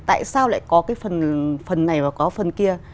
tại sao lại có cái phần này và có phần kia